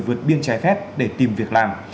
vượt biên trai phép để tìm việc làm